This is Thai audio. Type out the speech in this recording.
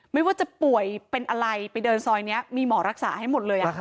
ไม่ว่าจะป่วยเป็นอะไรไปเดินซอยนี้มีหมอรักษาให้หมดเลย